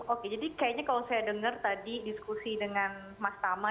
oke jadi kayaknya kalau saya dengar tadi diskusi dengan mas tama